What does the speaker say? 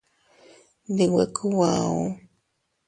Ndi nwe kub auu.